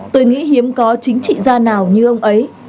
tôi nghĩ hiếm có chính trị gia nào như ông ấy